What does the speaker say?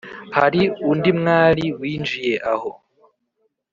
hari undi mwali winjiye aho